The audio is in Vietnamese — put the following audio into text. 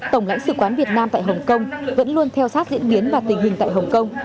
tổng lãnh sự quán việt nam tại hồng kông vẫn luôn theo sát diễn biến và tình hình tại hồng kông